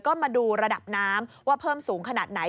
ก็มาดูระดับน้ำว่าเพิ่มสูงขนาดไหน